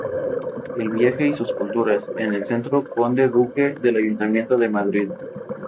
El viaje y sus culturas" en el Centro Conde Duque del Ayuntamiento de Madrid.